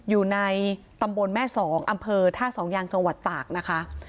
อยู่ในตำบลแม่สองอำเภอท่าสองยางจังหวัดตากนะคะ